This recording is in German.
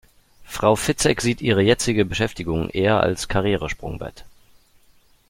Frau Fitzek sieht ihre jetzige Beschäftigung eher als Karrieresprungbrett.